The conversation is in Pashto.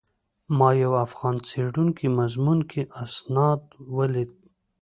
ما یو افغان څېړونکي مضمون کې استناد ولید.